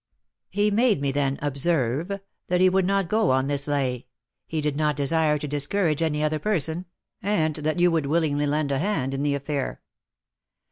"He made me, then, observe, that if he would not go on this 'lay,' he did not desire to discourage any other person, and that you would willingly lend a hand in the affair."